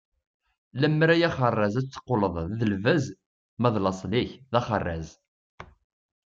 Lemmer ay axerraz ad teqleḍ d lbaz, ma d laṣel-ik d axerraz.